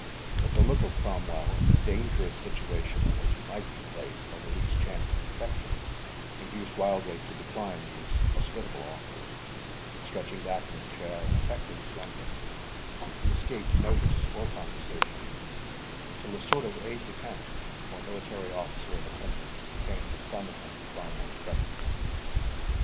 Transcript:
But the look of Cromwell, and the dangerous situation in which he might be placed by the least chance of detection, induced Wildrake to decline these hospitable offers, and stretching back in his chair, and affecting slumber, he escaped notice or conversation, until a sort of aide de camp, or military officer in attendance, came to summon him to Cromwell's presence.